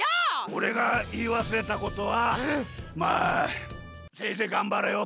おれがいいわすれたことはまあせいぜいがんばれよってことだ！